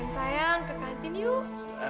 sayang ke kantin yuk